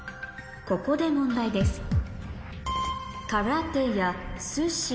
ここで問題です